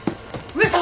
上様！